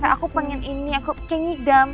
aku pengen ini aku kayak ngikum